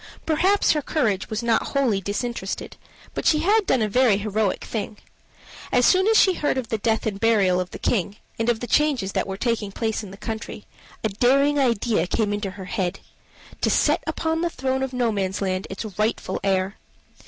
Perhaps her courage was not wholly disinterested, but she had done a very heroic thing. As soon as she heard of the death and burial of the King and of the changes that were taking place in the country, a daring idea came into her head to set upon the throne of Nomansland its rightful heir.